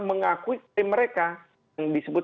mengakui tim mereka yang disebut